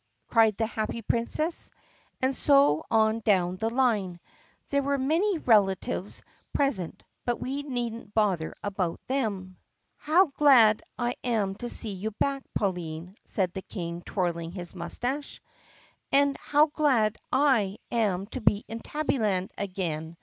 cried the happy Princess. And so on down the line. (There were many relatives pres ent, but we need n't bother about them.) "How glad I am to see you back, Pauline!" said the King twirling his mustache. "And how glad / am to be in Tabbyland again!"